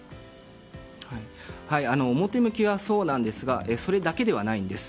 表向きはそうなんですがそれだけではないんです。